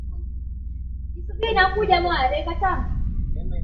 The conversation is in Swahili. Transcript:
anaeleza adhari gani sinazoweza kutokea hasa baada ya suala hilo kuendeshwa pasipo na ha